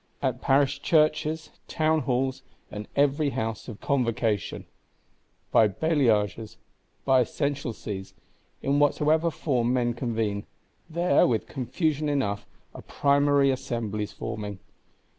At Parish Churches, in Townhalls, and every House of Convocation; by Bailliages, by Seneschalsies, in whatsoever form men convene; there, with confusion enough, are Primary Assemblies forming.